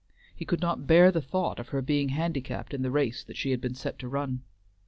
He could not bear the thought of her being handicapped in the race she had been set to run.